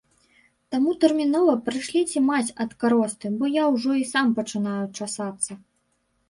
Таму тэрмінова прышліце мазь ад каросты, бо я ўжо і сам пачынаю часацца.